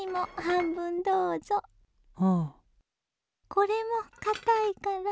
これもかたいから。